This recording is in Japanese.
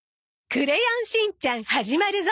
『クレヨンしんちゃん』始まるぞ。